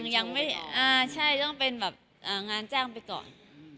ยังเป็นงานแจ้งไปก่อน